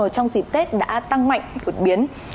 trong dịp tết đã tăng mạnh đột biến